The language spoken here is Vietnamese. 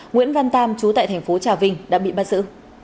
nguyễn văn tam chú tại thành phố trà vinh đã bị bắt giữ